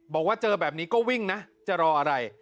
บอกว่าเจอแบบนี้ก็วิ่งนะจะรออะไร